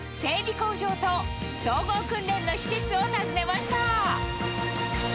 工場と総合訓練の施設を訪ねました。